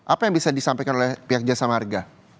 apa yang bisa disampaikan oleh pihak jasa marga